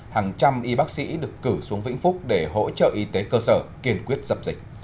hàng trăm y bác sĩ được cử xuống vĩnh phúc để hỗ trợ y tế cơ sở kiên quyết dập dịch